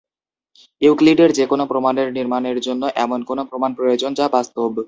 ইউক্লিডের যে কোন প্রমাণের নির্মাণের জন্য এমন কোন প্রমাণ প্রয়োজন যা বাস্তব।